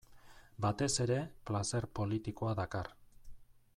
Batez ere, plazer politikoa dakar.